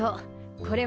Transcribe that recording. これは。